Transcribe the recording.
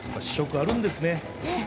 試食、あるんですね。